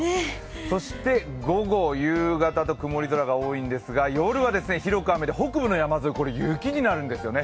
そして、午後、夕方と曇り空が多いんですが夜は広く雨で北部の山沿い、雪になるんですよね。